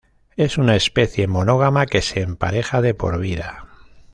Es una especie monógama, que se empareja de por vida.